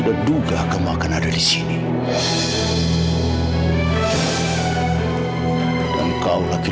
tak akan pernah seperti itu lagi